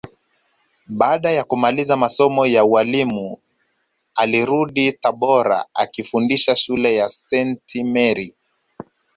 Baada ya kumaliza masomo ya ualimu alirudi Tabora akifundisha shule ya Senti Meri